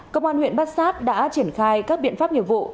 công an huyện bát giác đã triển khai các biện pháp nhiệm vụ